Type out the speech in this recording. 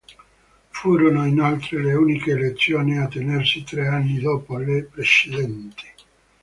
Furono inoltre le uniche elezioni a tenersi tre anni dopo le precedenti.